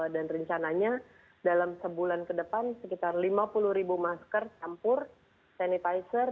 dan rencananya dalam sebulan ke depan sekitar lima puluh ribu masker campur sanitizer